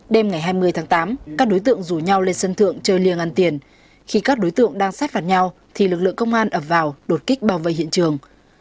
đêm ngày hai mươi tháng tám các đối tượng rủ nhau lên sân thượng chơi liêng ăn tiền khi các đối tượng đang sát phạt nhau thì lực lượng công an ập vào đột kích bao vây hiện trường